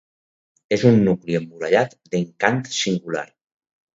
És un nucli emmurallat d'encant singular.